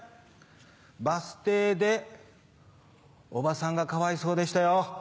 バス停でおばさんがかわいそうでしたよ。